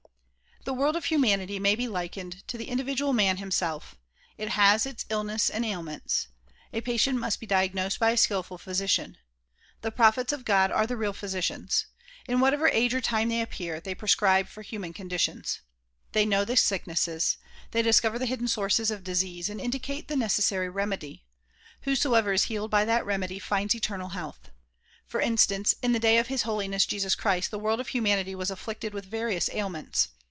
The world of humanity may be likened to the individual man himself ; it has its illness and ailments. A patient must be diagnosed by a skilful physician. The prophets of God are the real physicians. In whatever age or time they appear they pre scribe for human conditions. They know the sicknesses; they discover the hidden sources of disease and indicate the necessary remedy. Whosoever is healed by that remedy finds eternal health. For instance, in the day of His Holiness Jesus Christ the world of humanity was afflicted with various ailments.